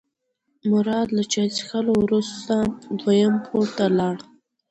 مراد له چای څښلو وروسته دویم پوړ ته لاړ.